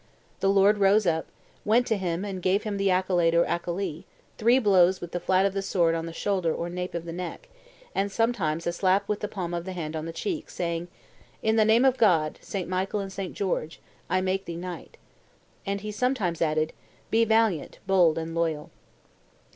The lord rose up, went to him and gave him the accolade or accolee, three blows with the flat of the sword on the shoulder or nape of the neck, and sometimes a slap with the palm of the hand on the cheek, saying, 'In the name of God, St. Michael and St. George, I make thee knight.' And he sometimes added, 'Be valiant, bold, and loyal.